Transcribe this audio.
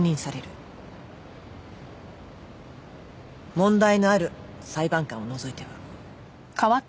問題のある裁判官を除いては。